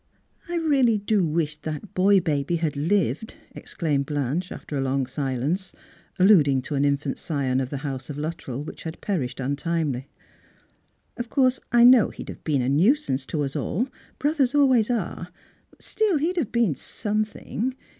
" I really do wish that boy bal>y had lived," exclaimed Blanche after a long silence, alluding to an infant scion of the house of Luttrell which had jDerished untimely. " Of course, I know he'd have been a nuisance to us all — brothers always are — but still ^e'd have been something.